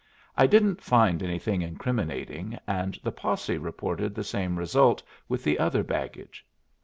I didn't find anything incriminating, and the posse reported the same result with the other baggage.